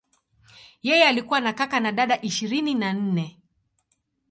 Yeye alikuwa na kaka na dada ishirini na nne.